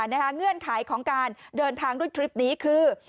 เงื่อนไขของการเดินทางด้วยทริปนี้คือ